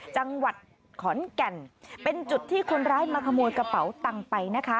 จังหวัดขอนแก่นเป็นจุดที่คนร้ายมาขโมยกระเป๋าตังค์ไปนะคะ